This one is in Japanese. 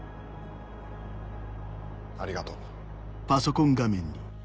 ありがとう。